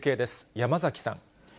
山崎さん。